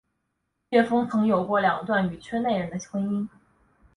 叶枫曾有过两段与圈内人的婚姻。